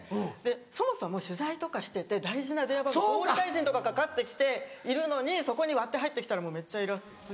そもそも取材とかしてて大事な電話番号総理大臣とかかかってきているのにそこに割って入ってきたらもうめっちゃイラついちゃう。